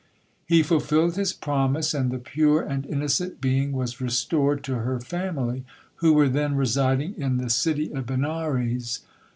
He fulfilled his promise, and the pure and innocent being was restored to her family, who were then residing in the city of Benares.'